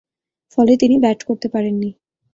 ফলে তিনি ব্যাট করতে পারেননি।